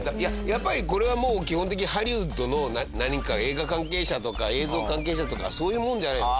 やっぱりこれはもう基本的にハリウッドの何か映画関係者とか映像関係者とかそういうもんじゃないと。